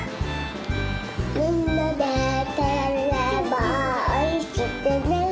みんなでたべればおいしくなる。